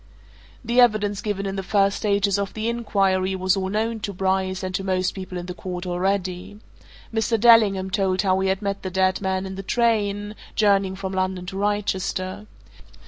The evidence given in the first stages of the inquiry was all known to Bryce, and to most people in the court, already. Mr. Dellingham told how he had met the dead man in the train, journeying from London to Wrychester.